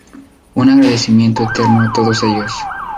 Un agradecimiento eterno a todos ellos..